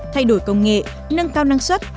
thay đổi công nghệ nâng cao năng suất